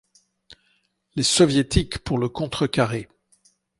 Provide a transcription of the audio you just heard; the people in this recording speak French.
Les Soviétiques pour le contrecarrer.